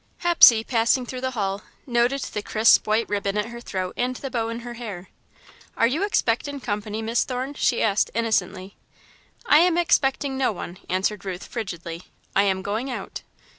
Hepsey, passing through the hall, noted the crisp white ribbon at her throat and the bow in her hair. "Are you expectin' company, Miss Thorne?" she asked, innocently. "I am expecting no one," answered Ruth, frigidly, "I am going out."